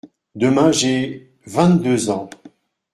Demain, j’ai… vingt-deux ans.